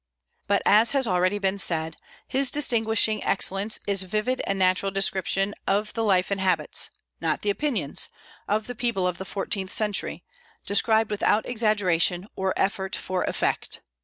But, as has been already said, his distinguishing excellence is vivid and natural description of the life and habits, not the opinions, of the people of the fourteenth century, described without exaggeration or effort for effect.